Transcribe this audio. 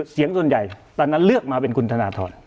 เสียงสมมุติใหญ่ตอนนั้นเลือกมาเป็นคุณธนาธรณ์